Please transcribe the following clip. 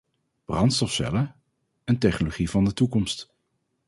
Brandstofcellen, een technologie van de toekomst.